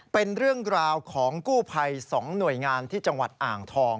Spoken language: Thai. เป็นเรื่องราวของกู้ภัย๒หน่วยงานที่จังหวัดอ่างทอง